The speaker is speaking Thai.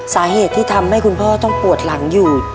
สาเหตุที่ทำให้คุณพ่อต้องปวดหลังอยู่